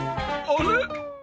あれ？